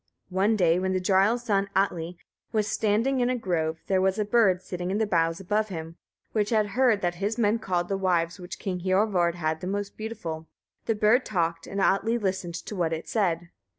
One day when the jarl's son Atli was standing in a grove, there was a bird sitting in the boughs above him, which had heard that his men called the wives which King Hiorvard had the most beautiful. The bird talked, and Atli listened to what it said.